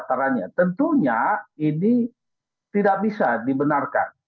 tentunya ini tidak bisa dibenarkan